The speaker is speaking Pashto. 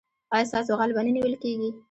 ایا ستاسو غل به نه نیول کیږي؟